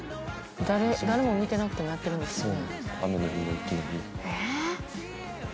誰も見てなくてもやってるんですよね？